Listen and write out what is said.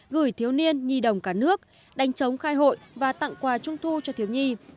gửi thiếu niên nhi đồng cả nước đánh chống khai hội và tặng quà trung thu cho thiếu nhi